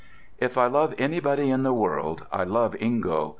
If I love anybody in the world, I love Ingo.